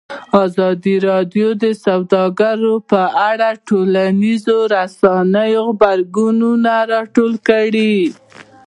ازادي راډیو د سوداګري په اړه د ټولنیزو رسنیو غبرګونونه راټول کړي.